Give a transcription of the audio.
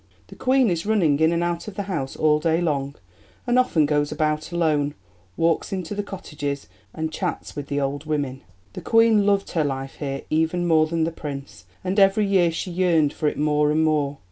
The Queen is running in and out of the house all day long, and often goes about alone, walks into the cottages, and chats with the old women." The Queen loved her life here even more than the Prince, and every year she yearned for it more and more.